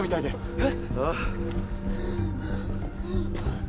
えっ⁉